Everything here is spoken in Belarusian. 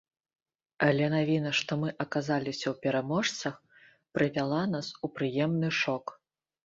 Але навіна, што мы аказаліся ў пераможцах прывяла нас у прыемны шок.